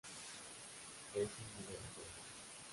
Es el modelo perfecto.